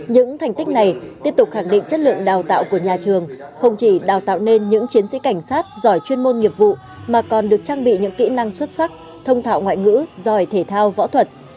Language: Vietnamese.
những thành tích này tiếp tục khẳng định chất lượng đào tạo của nhà trường không chỉ đào tạo nên những chiến sĩ cảnh sát giỏi chuyên môn nghiệp vụ mà còn được trang bị những kỹ năng xuất sắc thông thạo ngoại ngữ giỏi thể thao võ thuật